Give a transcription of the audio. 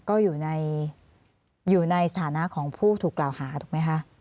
ก็อยู่ในสถานะของผู้ถูกกล่าวหาถูกไหมคะ